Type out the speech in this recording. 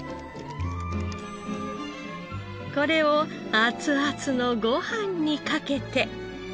これをアツアツのご飯にかけて。